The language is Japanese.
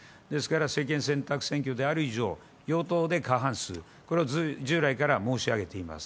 政権選択選挙である以上、与党で過半数、これは従来から申し上げています。